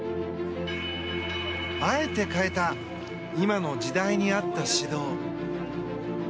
あえて変えた今の時代に合った指導。